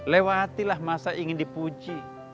lewatilah masa ingin dipuji